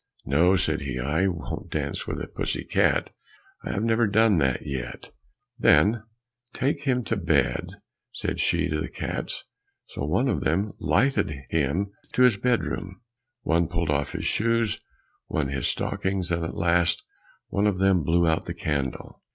"No," said he, "I won't dance with a pussy cat. I have never done that yet." "Then take him to bed," said she to the cats. So one of them lighted him to his bed room, one pulled his shoes off, one his stockings, and at last one of them blew out the candle.